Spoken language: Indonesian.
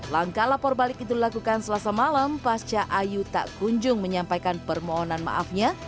langkah lapor balik itu dilakukan selasa malam pasca ayu tak kunjung menyampaikan permohonan maafnya